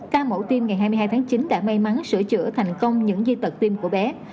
ca mẫu tiêm ngày hai mươi hai tháng chín đã may mắn sửa chữa thành công những di tật tiêm của bé